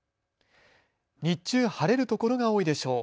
日中晴れるところが多いでしょう。